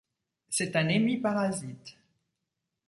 C'est un hémiparasite.